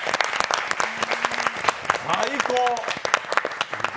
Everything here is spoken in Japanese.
最高！